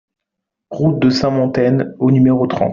Route de Sainte-Montaine au numéro trente